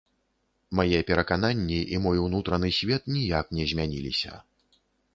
Мае перакананні і мой унутраны свет ніяк не змяніліся.